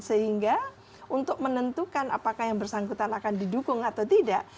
sehingga untuk menentukan apakah yang bersangkutan akan didukung atau tidak